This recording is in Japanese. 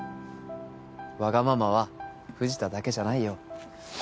わがままは藤田だけじゃないよ。